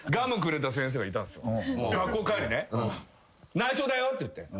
「内緒だよ」って言って。